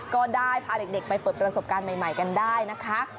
ก็ได้พาเด็กไปเปิดประสบการณ์ใหม่กันได้นะคะ